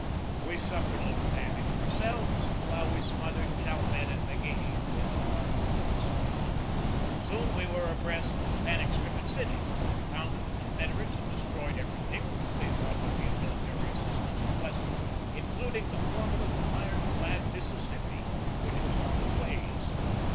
We suf fered little damage ourselves, while we smothered Chalmette and M>cGehee with our broadsides. Soon THE BATTLE OF NEW ORLEANS 73 we were abreast of the panic stricken city, where we found that the Confederates had destroyed every thing which they thought would be of military assist ance to us, including the formidable iron clad Missis sippi, which was on the ways.